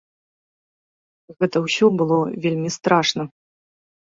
Гэта ўсё было вельмі страшна.